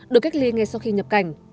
được cách ly ngay sau khi nhập cảnh